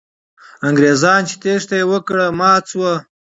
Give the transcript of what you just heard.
انګریزان چې تېښته یې وکړه، مات سول.